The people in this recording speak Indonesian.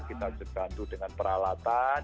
kita digantung dengan peralatan